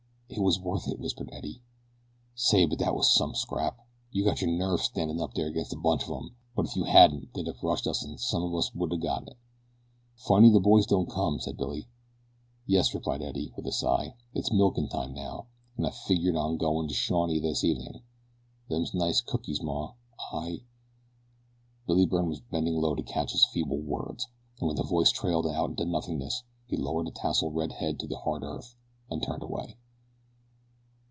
"It was worth it," whispered Eddie. "Say, but that was some scrap. You got your nerve standin' up there against the bunch of 'em; but if you hadn't they'd have rushed us and some of 'em would a got in." "Funny the boys don't come," said Billy. "Yes," replied Eddie, with a sigh; "it's milkin' time now, an' I figgered on goin' to Shawnee this evenin'. Them's nice cookies, maw. I " Billy Byrne was bending low to catch his feeble words, and when the voice trailed out into nothingness he lowered the tousled red head to the hard earth and turned away.